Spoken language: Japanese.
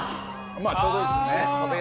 まあちょうどいいですよね。